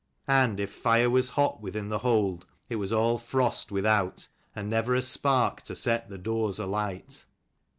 And if fire was hot within the hold, it was all frost without, and never a spark to set the doors alight.